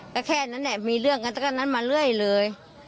ก็แค่นั้นเนี่ยมีเรื่องกันแล้วก็นั้นมาเรื่อยเลย